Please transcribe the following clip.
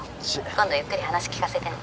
「今度ゆっくり話聞かせてね」